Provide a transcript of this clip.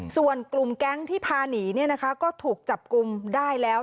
ส่วนกลุ่มแก๊งที่พาหนีก็ถูกจับกลุ่มได้แล้ว